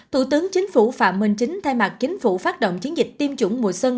thủ tướng chính phủ phạm minh chính thay mặt chính phủ phát động chiến dịch tiêm chủng mùa xuân